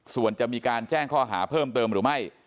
ส่วนจะมีการแจ้งข้อหาเพิ่มเติมหรือไม่